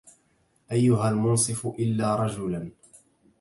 أيها المنصف إلا رجلا